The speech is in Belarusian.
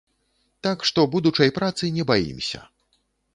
Так што будучай працы не баімся.